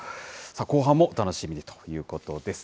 後半もお楽しみにということです。